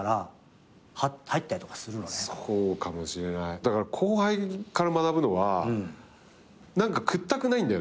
だから後輩から学ぶのは何か屈託ないんだよね。